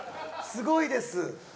すごいです。